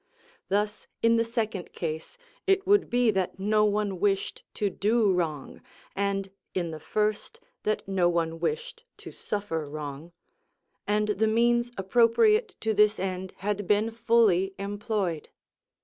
Thus in the second case it would be that no one wished to do wrong, and in the first that no one wished to suffer wrong, and the means appropriate to this end had been fully employed.